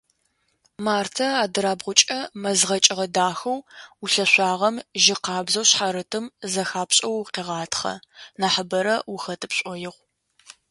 Мартэ адырабгъукӏэ мэз гъэкӏыгъэ дахэу ӏулъэшъуагъэм жьы къабзэу шъхьарытым зэхапшӏэу укъегъатхъэ, нахьыбэрэ ухэты пшӏоигъу.